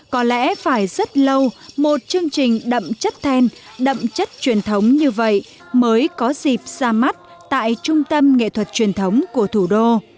có lẽ phải rất lâu một chương trình đậm chất then đậm chất truyền thống như vậy mới có dịp ra mắt tại trung tâm nghệ thuật truyền thống của thủ đô